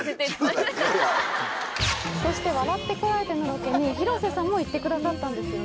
そして『笑ってコラえて！』のロケに広瀬さんも行ってくださったんですよね。